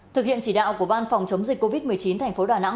thực hiện chỉ đạo của ban phòng chống dịch covid một mươi chín